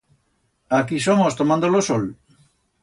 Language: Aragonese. Aquí somos tomando lo sol.